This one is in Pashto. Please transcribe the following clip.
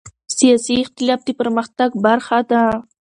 سیاسي اختلاف د پرمختګ برخه ده